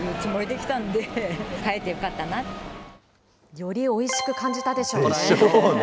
よりおいしく感じたでしょうね。